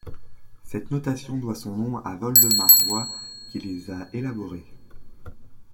Cette notation doit son nom à Woldemar Voigt qui les a élaborées.